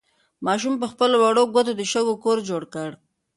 ماشوم په خپلو وړوکو ګوتو د شګو کور جوړ کړ.